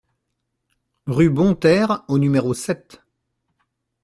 Rue Bonterre au numéro sept